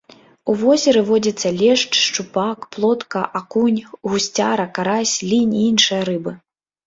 У возеры водзяцца лешч, шчупак, плотка, акунь, гусцяра, карась, лінь і іншыя рыбы.